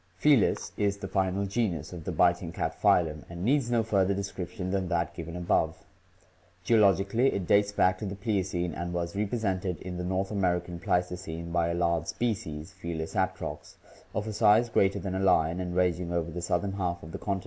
Felis XFigs.i83,B ; i84,E)is thefinal genusof thebiting catphylum and needs no further description than that given above. Geologi cally it dates back to the Pliocene and was represented in the North American Pleistocene by a large species, Felis atrox, of a size greater than a lion and ranging over the southern half of the continent.